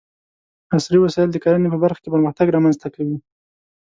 عصري وسايل د کرنې په برخه کې پرمختګ رامنځته کوي.